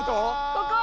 ここ。